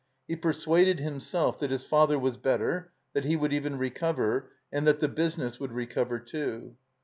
He persuaded himself that his father was better, that he woxild even recover, and that the business would recover too.